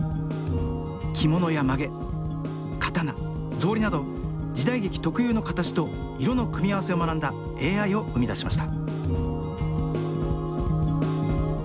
着物やまげ刀ぞうりなど時代劇特有の形と色の組み合わせを学んだＡＩを生み出しました。